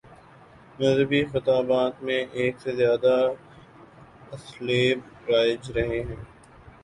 مذہبی خطابت میں ایک سے زیادہ اسالیب رائج رہے ہیں۔